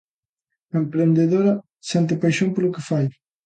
A emprendedora sente paixón polo que fai.